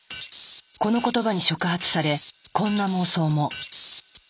この言葉に触発されこんな妄想も。